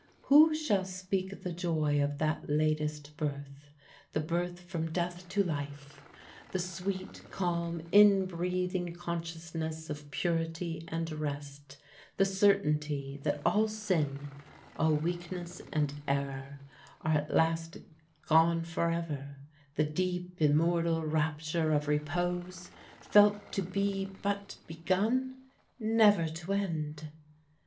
Who shall speak the joy of that latest birth, the birth from death to life! the sweet, calm, inbreathing consciousness of purity and rest, the certainty that all sin, all weakness and error, are at last gone forever; the deep, immortal rapture of repose felt to be but begun never to end!